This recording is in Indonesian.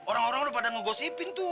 orang orang udah pada ngegosipin tuh